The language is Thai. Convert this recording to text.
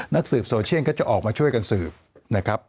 นักสืบโซเชียนก็จะออกมาช่วยกันสืบ